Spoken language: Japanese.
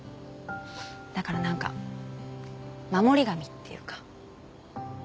だからなんか守り神っていうか。